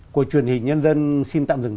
của truyền hình nhân dân xin tạm dừng lại